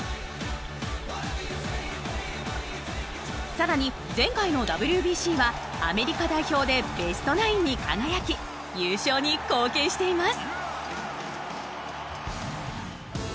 更に前回のＷＢＣはアメリカ代表でベストナインに輝き優勝に貢献しています。